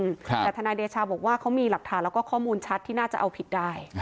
แต่ทนายเดชาบอกว่าเขามีหลักฐานแล้วก็ข้อมูลชัดที่น่าจะเอาผิดได้